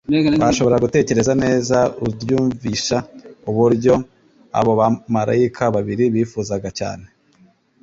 Washobora gutekereza neza uldyumvisha uburyo abo bamaraika babiri bifuzaga cyane